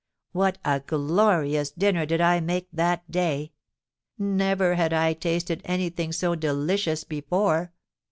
What a glorious dinner did I make that day! Never had I tasted any thing so delicious before!